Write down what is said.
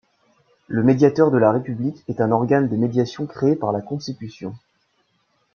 Le médiateur de la république est un organe de médiation créé par la Constitution.